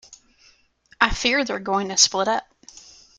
I fear they're going to split up.